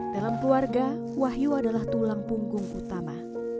dalam keluarga wahyu adalah tulang punggung utama